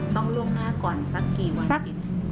ล่วงหน้าก่อนสักกี่วัน